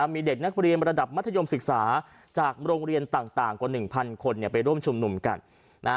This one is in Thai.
มีเด็กนักเรียนระดับมัธยมศึกษาจากโรงเรียนต่างกว่า๑๐๐คนไปร่วมชุมนุมกัน